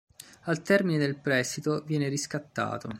Al termine del prestito, viene riscattato.